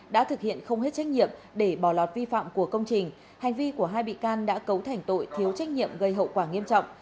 đã thực hiện không hết trách nhiệm để bỏ lọt vi phạm của công trình hành vi của hai bị can đã cấu thành tội thiếu trách nhiệm gây hậu quả nghiêm trọng